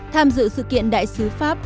tham dự sự kiện đại sứ pháp